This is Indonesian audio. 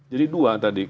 jadi dua tadi